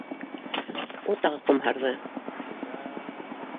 Ул тағы ҡомһарҙы.